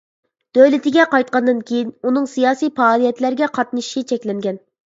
دۆلىتىگە قايتقاندىن كېيىن ئۇنىڭ سىياسىي پائالىيەتلەرگە قاتنىشىشى چەكلەنگەن.